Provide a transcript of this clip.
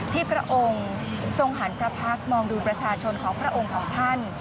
พระองค์ทรงหันพระพักษ์มองดูประชาชนของพระองค์ของท่าน